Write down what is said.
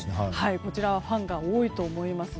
こちらはファンが多いと思います。